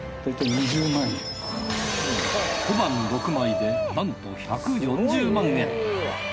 小判６枚でなんと１４０万円。